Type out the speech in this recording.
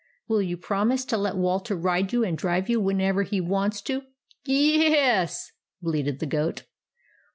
" Will you promise to let Walter ride you and drive you whenever he wants to ?" 11 Y e e s !" bleated the goat.